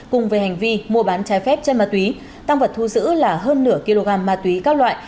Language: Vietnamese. cùng với hành vi mua bán trái phép chân ma túy tăng vật thu giữ là hơn nửa kg ma túy các loại